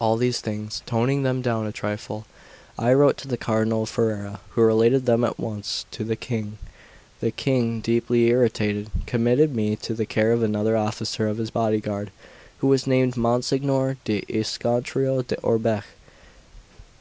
All these things, toning them down a trifle, I wrote to the Cardinal of Ferrara, who related them at once to the King. The King, deeply irritated, committed me to the care of another officer of his bodyguard who was named Monsignor lo Iscontro d'Orbech.